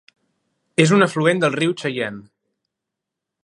És un afluent del riu Cheyenne.